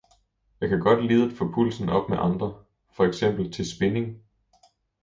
Jeg kan godt lide at få pulsen op med andre, for eksempel til spinning.